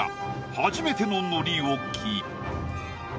初めての糊置き。